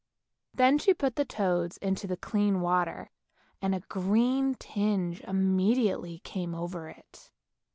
Then she put the toads into the clean water, and a green tinge immediately came over it.